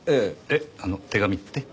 えっあの手紙って？